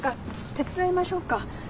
手伝いましょうか。